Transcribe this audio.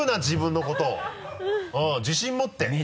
自分のことをうん自信持って！